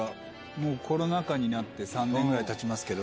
もうコロナ禍になって３年ぐらいたちますけど。